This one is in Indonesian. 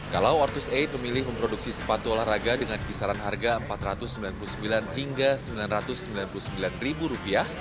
kalau ortus aid memilih memproduksi sepatu olahraga dengan kisaran harga rp empat ratus sembilan puluh sembilan hingga rp sembilan ratus sembilan puluh sembilan